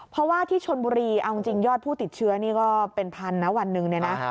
เพราะที่ชนบุรีจริงยอดผู้ติดเชื้อนี่ก็เป็นพันวันนึงนี่